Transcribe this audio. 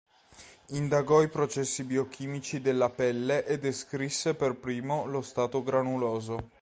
Indagò i processi biochimici della pelle e descrisse per primo lo strato granuloso.